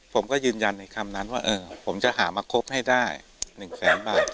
ผมก็ยืนยันในคำนั้นว่าผมจะหามาครบให้ได้๑แสนบาท